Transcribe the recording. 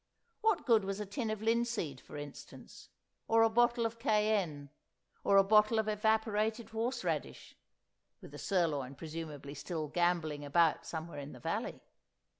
What good was a tin of linseed, for instance, or a bottle of cayenne, or a bottle of evaporated horse radish (with the sirloin presumably still gambolling about somewhere in the valley)?